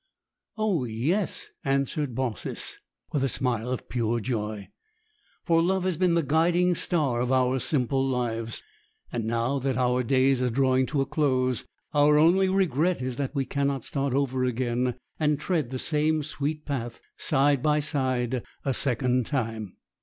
"Oh, yes," answered Baucis, with a smile of pure joy. "For love has been the guiding star of our simple lives; and now that our days are drawing to a close, our only regret is that we cannot start over again, and tread the same sweet path side by side a second time!"